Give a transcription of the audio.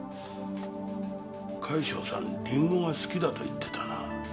快笑さんリンゴが好きだと言ってたなぁ。